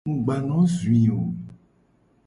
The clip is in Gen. Mu gba no zui wo o.